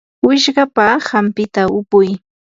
wishqapa hampita upuy.